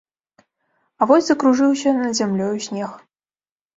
А вось закружыўся над зямлёю снег.